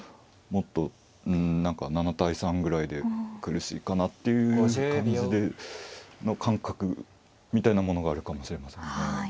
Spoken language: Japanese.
もっとなんか７対３ぐらいで苦しいかなっていう感じの感覚みたいなものがあるかもしれませんね。